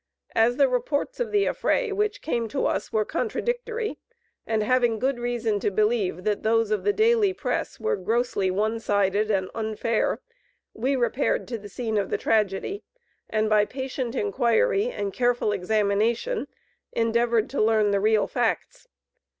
As the reports of the affray which came to us were contradictory, and having good reason to believe that those of the daily press were grossly one sided and unfair, we repaired to the scene of the tragedy, and, by patient inquiry and careful examination, endeavored to learn the real facts.